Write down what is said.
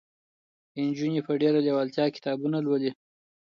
نجونې په ډېره لېوالتیا کتابونه لولي.